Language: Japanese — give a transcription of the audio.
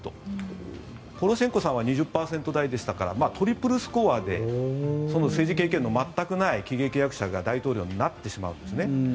ポロシェンコさんは２０％台でしたからトリプルスコアで政治経験の全くない喜劇役者が大統領になってしまうんですね。